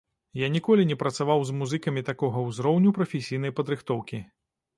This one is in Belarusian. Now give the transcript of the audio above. Я ніколі не працаваў з музыкамі такога ўзроўню прафесійнай падрыхтоўкі.